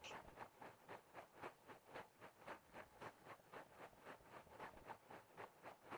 Utawala wa kijeshi ulikamata mamlaka katika mapinduzi ya Januari dhidi ya Rais Roch Kabore wakimlaumu